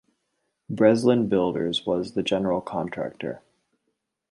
Breslin Builders was the general contractor.